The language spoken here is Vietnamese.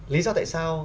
lý do tại sao